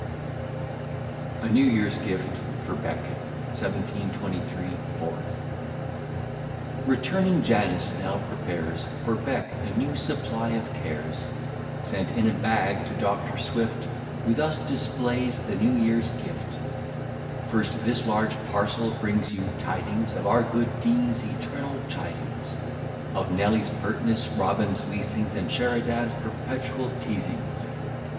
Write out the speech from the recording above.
] A NEW YEAR'S GIFT FOR BEC 1723 4 Returning Janus now prepares, For Bec, a new supply of cares, Sent in a bag to Dr. Swift, Who thus displays the new year's gift. First, this large parcel brings you tidings Of our good Dean's eternal chidings; Of Nelly's pertness, Robin's leasings, And Sheridan's perpetual teazings.